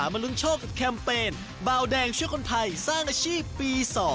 เบาแดงช่วยคนไทยสร้างอาชีพปี๒